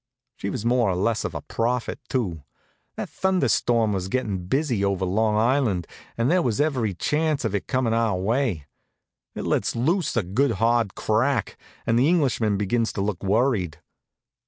She was more or less of a prophet, too. That thunder storm was gettin' busy over on Long Island and there was every chance of its comin' our way. It lets loose a good hard crack, and the Englishman begins to look worried.